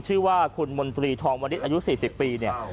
ชื่อว่าคุณมนตรีทองมณิชย์อายุ๔๐ปีเนี่ย